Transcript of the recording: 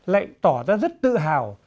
lại tỏ ra rất tự hào